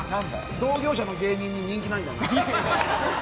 同業者の芸人に人気なんだよな。